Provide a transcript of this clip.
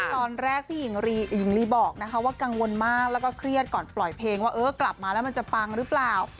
ตอนแรกพี่หญิงลีบอกนะคะว่ากังวลมากแล้วก็เครียดก่อนปล่อยเพลงว่าเออกลับมาแล้วมันจะปังหรือเปล่า